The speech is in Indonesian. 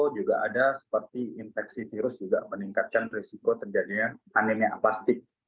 juga ada seperti infeksi virus juga peningkatkan resiko terjadinya anemia aplastik